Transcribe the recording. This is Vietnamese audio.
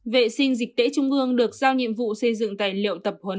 vệ sinh dịch tễ trung ương được giao nhiệm vụ xây dựng tài liệu tập huấn